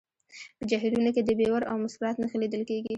په جهیلونو کې د بیور او مسکرات نښې لیدل کیږي